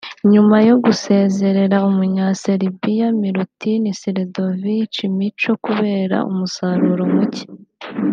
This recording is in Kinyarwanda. nyuma yo gusezerera Umunya-Serbia Milutin Sredojevic ‘Micho’ kubera umusaruro muke